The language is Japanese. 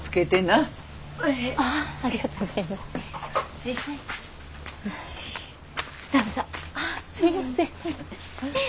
ああすみません。